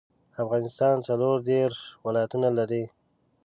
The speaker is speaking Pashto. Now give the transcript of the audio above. افغانستان څلوردیرش ولایاتونه لري